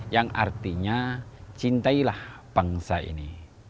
yang artinya cintailah bangsa ini